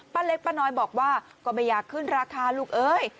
เล็กป้าน้อยบอกว่าก็ไม่อยากขึ้นราคาลูกเอ้ย